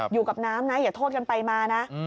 อยู่กับน้ำนะอย่าโทษกันไปมานะ